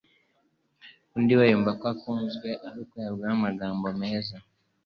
undi we yumva ko akunzwe ari uko yabwiwe amagambo meza